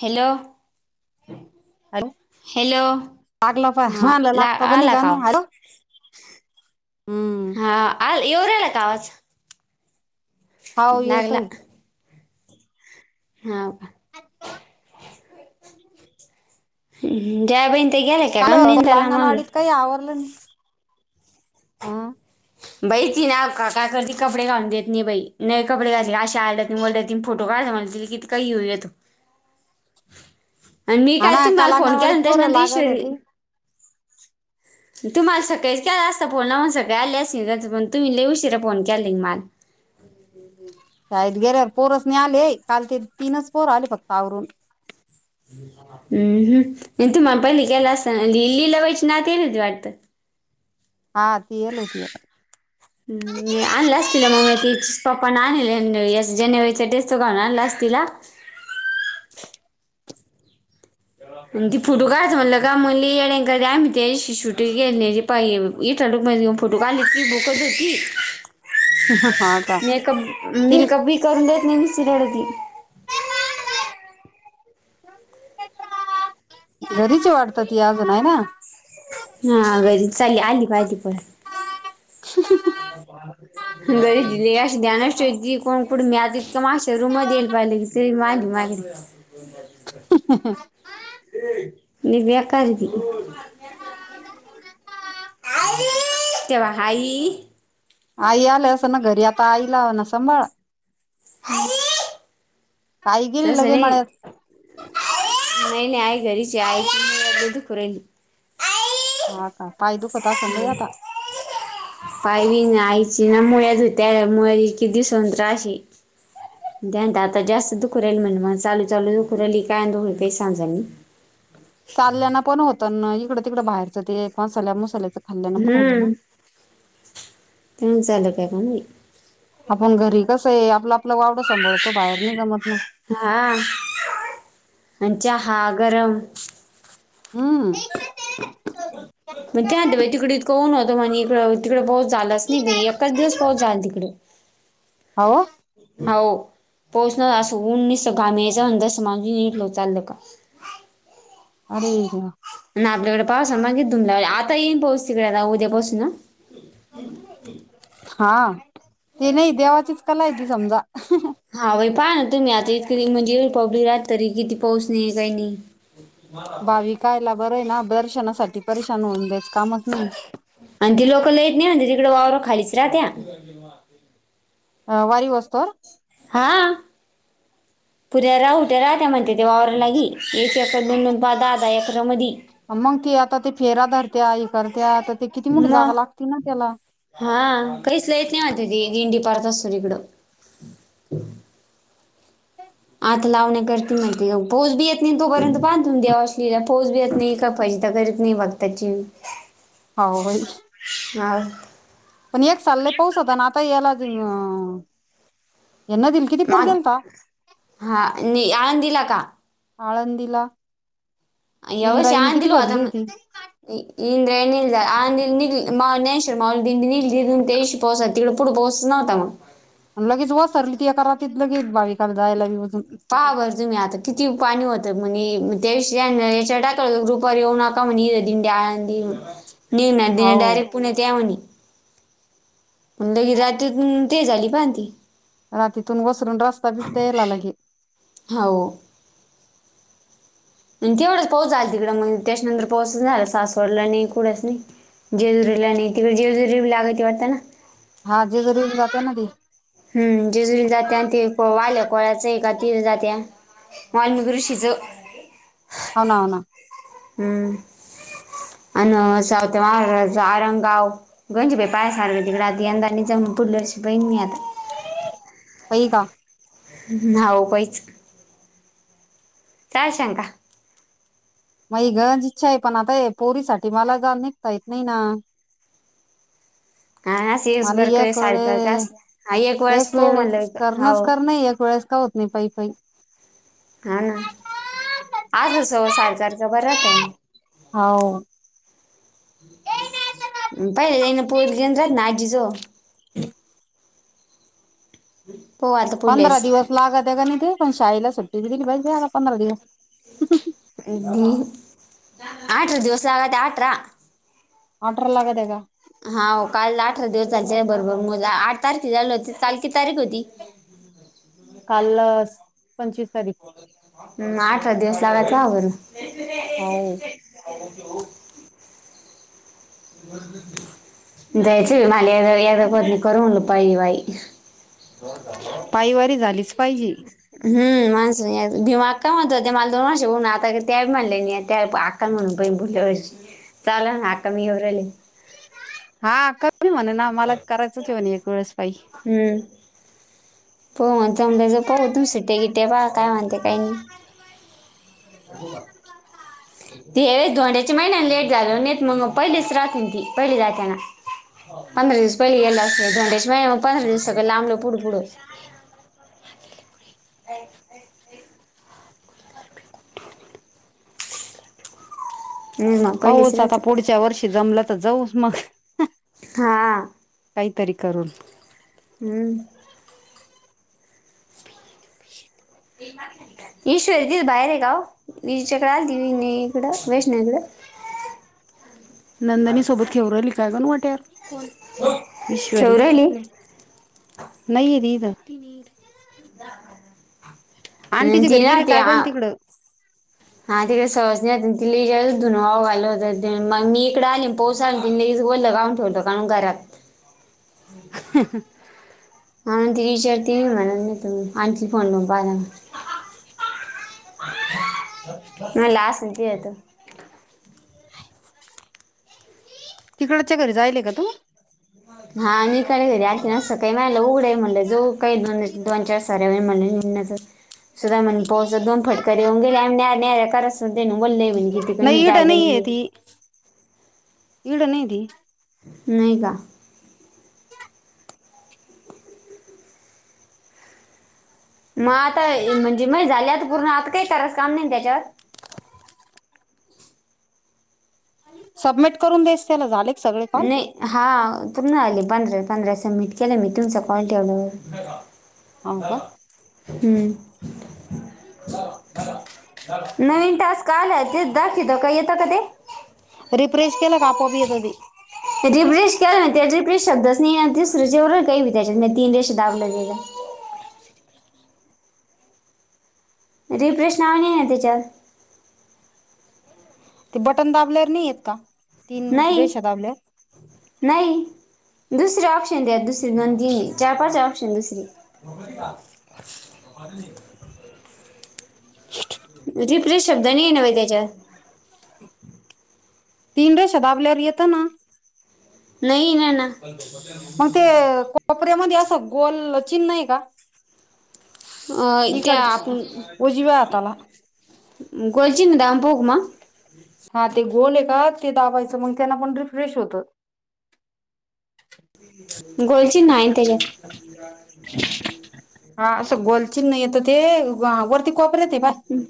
Hello! Hello हा ला आला का आवाज [unintelligible] हम्म हा येऊ राहिला का आवाज? हाव यु लागला हा [unintelligible] [unintelligible] काय आवरलं नाय आ. बाई ती ना काय करते बाई कपडे घालून देत नाय कपडे घातली की अशी ओरडतील आवडते आणि. [unintelligible] ो काय स म्हण त किती काही येऊया तू. आणि मी हा काय ना काल तुमही अंगणवाडीत मला पोरं केला त्याश लागत होते तुम्हाला सकाळीच केला असता फोन सगळे आले असं पर लईच उशिरा फोन केला तुम्ही मला शळद गेरवर पोरस नाही आले काल ते तीनच पोर आले फत्त आवरून. हम् हम तू मला पहिली गला असता लिलीि लवायची ना ते ना वाटत. हा तएलो त. नाही आणलं अस तिला मग म त चिज पप्पा आण या जानेवारीचा टस तो कर आणला अस तिला [unintelligible] आणि ती फोटो काढता म्हणल का म्हणली येडम्ही ते. शूटींग के पाहि इठाडक माऊन फोटो काढलीली बुकच होती. हा का मेकअप ती मेकअप बी करून देत निस्त रडती. घरीच हाय ती अजून वाटतं हाय ना. हा घरी चाली आली पाहिली पण. घरी दि अ ध्यानाशे कोण कुठे म्या इतं माशा रूम मध्ये येईल पाहिले क. [unintelligible] ते मागली मागेली. [inaudible] ह. [unintelligible] न बकाी. [unintelligible] ते बघा हाय. आई आली असेल ना घरी आता आईला म्हणाव सांभाळा आई गेली तसं लगे नाय. मळ्यात नाय नाय घरीच हाय आईची कंबर दुखू रायलि. हा आता पाय दुखत असल लै आता. पाहिवी ना आईची ना मुळ्या होती्या मु किती संत्रशी. [unintelligible] त्यान आता जास्त दुख राहिल म्हण मग लू चालू दुखर राहिली काय दुखरते ते सजाली [unintelligible] चालल्याना पण होतं ना इकडं तिकड बाहेरचं ते एक मासाल्या मसाल्याच. हम्म ते चालू काय पण. आपण घरी कसं आहे आपलं आपलं वावड सांभाळतो बाहेर नि जमत ना. हा आणि च्याहा गरम ह. मग त्या आ बाई तिकडेक कोण होतं म्हण इ तिकडे पाऊस झालाच नाही एकाच दिवस पाऊस झाला तिकडे होव हो पोहोचणार असं नस घामेचा अंदर समाजून निटलो चाल का. [unintelligible] अरे देवा. ना आपल्याकडे पावसा मागे तुमला आता येईन पाहस तिकडे आ उद्या पाासून ना [unintelligible] हा ति नाय देवाची कला हाय समजा. हा भाई पाहा ना तम्ही आता इतक म्हणजे पब्लिक राहात तरी किती. [unintelligible] पाऊस नाही काही नाही. कायला बरं आहे ना दर्शनासाठी परेशान होऊन द्यायच कामच नाय. आणि ती लोक ल येत नाही तिकडे वावर खालीच राहत्या ह. अ वारी वाजतो. हा. पुद्या राहू ते राहत म्हणते ते वावररा लागी एक एकरा दोन दोन पा द आधा एकरा मध. [unintelligible] मग ते आता ते फेरा धरत्या इ करत्या आता ते किती मोठी मग जागा लागतील ना त्याला. हा काहीच यत नाही म ती दिंडी असतो तिकडं. [unintelligible] आत लावण्याकरती महि पोस बी येत नाही तोपर्यंत बांधून द्यावा असलेला पोस बी येत नाही का [inaudible] [inaudible] हो भाई. हा.. पण एक सालला पाऊस होता ना आता याला यांना दिल किती. पूर माग गेलता हा नि आणून दिला का? आळंदिला. यावर्ष आळंदीला होता भरली म्हणून होती [unintelligible] [unintelligible] पो तिकडे पुढे पोचव्हता मग [unintelligible] लगेच वसरली ती एका रातीत [unintelligible] लगेच बाविकाला जायला बी वजून [unintelligible] [unintelligible] म्हडळा निघणार दि हो डयरेक्ट पुणे ते म्ह आणि [unintelligible] [unintelligible] ती. हा तिथून वसरून रस्ता बिटता यायला लागे. [unintelligible] हाऊ. आणि तेवढंच पाऊोच झाल तिकडं मग त्याच्यानंतर पाोच झाला सासवडला नाही कुठेच नाही. [unintelligible] [unintelligible] वाटते ना. हा जेजूरीला जाते ना ती. हम्म जिजुरी जाते आणि ते वाल्या [unintelligible] आहे का जात्या. वाल्मिकी रूशीच [unintelligible] हाव ना हा ना. अन [unintelligible] गोंचे पायसारखं तिकडे आता यंदा नि जा पुटलं अस बईन मी आता [unintelligible] [unintelligible] [unintelligible] हा उपायच काय शंका? मग गरंज इच्छा आहे पण आता पोरी साठी मला जा निघता येत नाही ना. आणि असं [inaudible] मला बरं काही एक सारखं असलं हा वेळे वेळेस एक पाहू वेळे म्हणलं करणच हो कर नाही एक वेळेस [unintelligible] [unintelligible] पाई पाई. हा ना आजस सायकारचं बरंत [unintelligible] हाव. [unintelligible] आजीचं. पाहू आता पंधरा पुढलेच दिवस लागत आहे का नाही ते पण शाळेला सुट्टी बी दिली पाहिजे आला पंधरा दिवस अदी आठर दिवस लागात आठरा [unintelligible] ऑडर लाग दे आहे का [unintelligible] हा काल अठरा दिवस चालच्या बरोबर मुला आठ तारखे झालं होती काल कीती तारीख होती? [unintelligible] काल पंचवीस तारीख. अठरा दिवस [unintelligible] हौ. [unintelligible] जायच मला येदा कोणी करून म्हल पाई बाई [unintelligible] पायवारी झालीच पाहिजे. [unintelligible] का म्हणून प भोलवरची चाला नाका मी एवरले [unintelligible] हा क मी म्हणे ना मला करायचंचवणे एक वेळेस पाई [unintelligible] हम्म. होमच पाहू तू सिट्ट्या गिट्या पा काय म्हणते काही नाही [inaudible] [inaudible] ते धोंड्याच्या महिन्यान लेट झालं नई त मंग पयलेच रातेन ती पयली रातेना. [unintelligible] [inaudible] [inaudible] हम्म, मग पहिलेच पाऊच आता राहत पुढच्या वर्षी जमलं तर जाऊस मग. हां. काहीतरी करून. हम्म. [inaudible] ईश्वर त बाहेर गाव विच्याकडे आली त इकडं वैष्ण इकडे [inaudible] ठेवू राहिली [unintelligible] [unintelligible] अन आंटीच्या ती घरी ना गेले ते काय आ- काण तिकडं. [unintelligible] [unintelligible] [unintelligible] [unintelligible] म्हणला असं की हित. तिकडच्या घरी जायली का तू. [unintelligible] काही दोन दोन चार साऱ्या व म्हच. [unintelligible] न बोलले म्हणे कितीिकणी नाही इड जाय. नाहीये ती [unintelligible] नाहीय का. मग आता म्हणजे मग झाल्या तर पूर्ण आता काही करायच काम नाही त्याच्यावर. सबमिट करून जायचं त्याला झालं. नई हा पूर्ण आले, पंधराच् पंधरा सबमिट केले मी तुमचा काॅल ठेवल्यावर् हो का हम्म. नवीन तास काला ते दाखित काय येतं का ते. रिफ्रेश केलं का आपोआप येते. [unintelligible] रिफ्रेश नाव नईये न त्याच्यावर् ते बटन दाबल्यावर नाही आहेतेत का तीन नाही रेषा दाबल्यावर नाही दुसर ऑप्शन द्या दुसरी दोन तीनही चार पाच ऑप्शन दुसरी. [inaudible] रिफ्रेश शब्द नाहीये व त्याच्या. तीन रेषा दाबल्यावर येतं ना. नई न न. [inaudible] मग ते कोपऱ्यामध्ये असं गोल चिनन आहे का. इ अं, त्या खडच आपण उजिव्या आताला. [unintelligible] हा ते गोल आहे का ते दाबायचं मग त्यांना पण रिफ्रेश होतं. गोल चिन्ह हे त्याच्यात हा असं गोल चिन्ह येतं ते वा वरती कोपऱ्यात ये बा. हुम.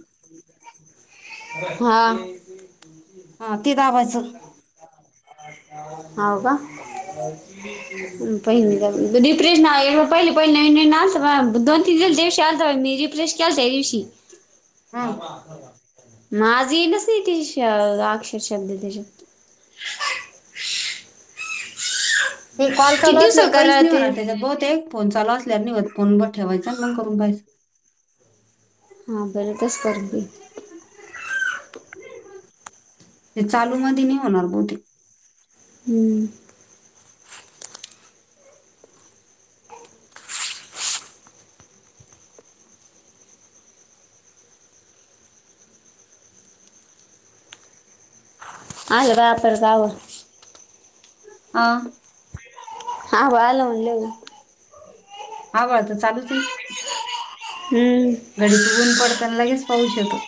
हा. [unintelligible] घेऊन ये. हा ती दाबायचं. हा बाबा. बहिणीला पण डीप्रेज नाय पहिली पहिले नवीन नवीन असं ना, दोन तीन दिवस शांत नि [unintelligible] ट. माझी येईलच ते की [inaudible] अक्षर शब्द त्याच्यात. ते कॉल किती चालू दिवसाला असल्यावर काही करा नाही ते होणार त्याच्यात बहुतेक फोन चालू असल्याने नाही होत फोन बंद ठेवायचा आणि मग करायचं. हा बरं त सर्दी. ते चालू मध नाही होणार बोती. हुम. आलं रात्र जाऊ. हा. हा बाळाला म्हणलेली. आवाज तर चालूच ये. हुंम घडीत ऊन पडतं ना लगेच पाऊस येतो.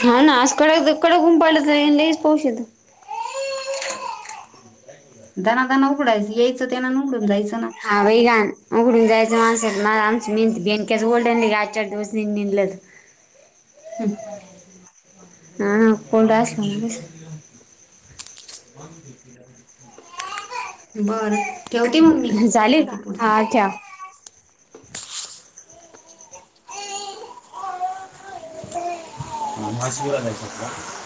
हा ना आज कडक तर कडक ऊन पडलं जाईल लगेच पाऊस येतो. दना दना उघडायचं यायचं त्यानं आणि उघडून जायाचं ना हा बै गाण उघडून जायचं माणस आमची मेंती बेंक्याचं ओल्डंली गाज चार दिवस निलं. हुम. हा कोड असं दिसत. अह. बर ठेवते मग मी पाहते का पुढचं. हा ठेव मला सुद्धा आणायचा होता.